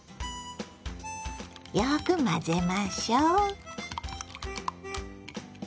よく混ぜましょう。